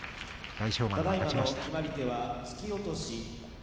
大翔丸、勝ちました。